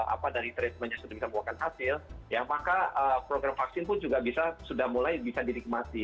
apa dari terima yang sudah bisa membuatkan hasil ya maka program vaksin pun juga bisa sudah mulai bisa didikmati